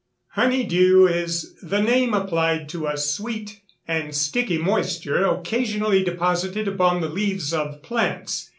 _ Honey dew is the name applied to a sweet and sticky moisture occasionally deposited upon the leaves of plants.